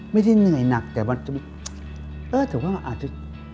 ไม่ได้เหนื่อยหนักแต่มันอาจจะ